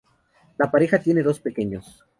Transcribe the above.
La pareja tiene dos niños pequeños.